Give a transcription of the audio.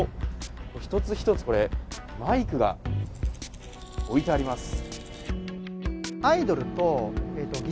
一つ一つマイクが置いてあります。